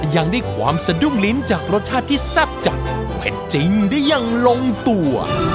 ยังได้ความสะดุ้งลิ้นจากรสชาติที่แซ่บจัดเผ็ดจริงได้อย่างลงตัว